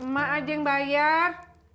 mak aja yang bayar